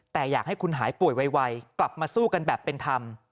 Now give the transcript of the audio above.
แต่อยากให้คุณหายป่วยไวกลับมาสู้กันแบบเป็นธรรม